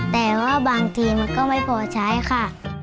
แต่ว่าบางทีมันก็ไม่พอใช้ค่ะ